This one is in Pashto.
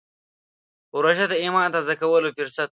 روژه د ایمان تازه کولو فرصت دی.